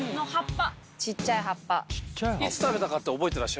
いつ食べたかって覚えてらっしゃいます？